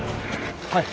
はい。